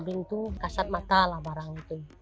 rabing itu kasat mata lah barang itu